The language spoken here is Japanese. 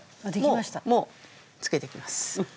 もう漬けていきます。